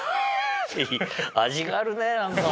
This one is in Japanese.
味があるね何か。